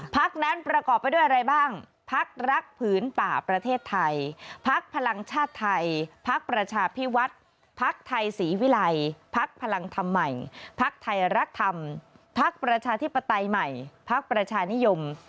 พักนั้นประกอบไปด้วยอะไรบ้างพักรักผืนป่าประเทศไทยพักพลังชาติไทยพักประชาพิวัฒน์พักไทยศรีวิลัยพักพลังธรรมใหม่พักไทยรักธรรมพักประชาธิปไตยใหม่พักประชานิยม